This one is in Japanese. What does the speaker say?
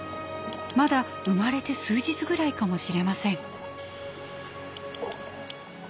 まだ生まれて数日ぐらいかもしれません。